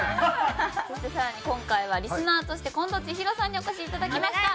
そして更に今回はリスナーとして近藤千尋さんにお越しいただきました。